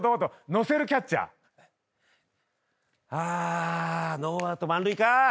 「のせるキャッチャー」あノーアウト満塁か。